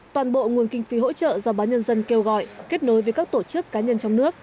toàn bộ nguồn kinh phí hỗ trợ do báo nhân dân kêu gọi kết nối với các tổ chức cá nhân trong nước